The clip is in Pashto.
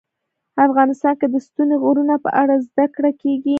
افغانستان کې د ستوني غرونه په اړه زده کړه کېږي.